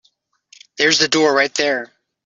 There's the door right there.